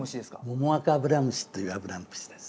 モモアカアブラムシというアブラムシです。